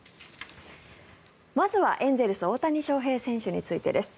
まずは、エンゼルス大谷翔平選手についてです。